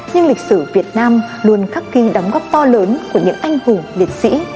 nhưng lịch sử việt nam luôn khắc kinh đóng góp to lớn của những anh hùng liệt sĩ